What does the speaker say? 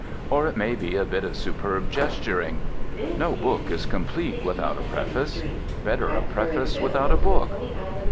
Or it may be a bit of superb gesturing. No book is complete without a preface. Better a preface without a book....